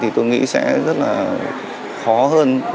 thì tôi nghĩ sẽ rất là khó hơn